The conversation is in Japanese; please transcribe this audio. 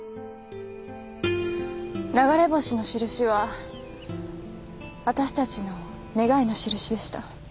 流れ星の印はわたしたちの願いの印でした。